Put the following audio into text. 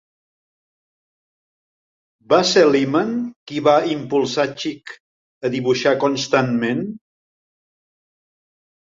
Va ser Lyman qui va impulsar Chic a dibuixar constantment.